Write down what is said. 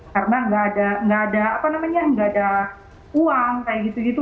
karena nggak ada nggak ada apa namanya nggak ada uang kayak gitu gitu